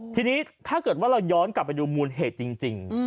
ทีนี้ถ้าเกิดว่าเราย้อนกลับไปดูมูลเหตุจริง